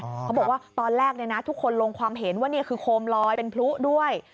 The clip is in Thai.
เขาบอกว่าตอนแรกทุกคนลงความเห็นว่านี่คือโคมลอยเป็นพลุด้วย